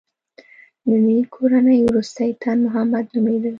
د دې کورنۍ وروستی تن محمد نومېده.